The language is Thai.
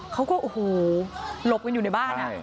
เขาก็หลบกันอยู่ในบ้าน